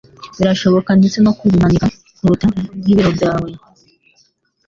birashoboka ndetse no kubimanika kurukuta rwibiro byawe